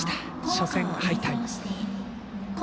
初戦敗退。